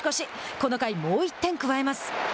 この回、もう１点加えます。